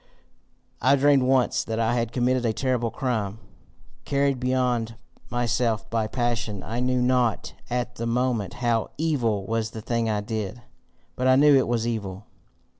"I dreamed once that I had committed a terrible crime. Carried beyond myself by passion, I knew not at the moment HOW evil was the thing I did. But I knew it was evil.